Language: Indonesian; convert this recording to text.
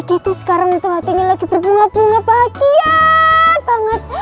itu sekarang tuh hatinya lagi berbunga bunga bahagia banget